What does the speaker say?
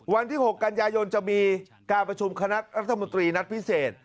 วันที่๖กันยายนจะมีการประชุมคณะรัฐมนตรีนัดพิเศษ